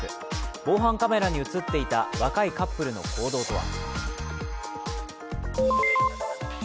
防犯カメラに映っていた若いカップルの行動とは。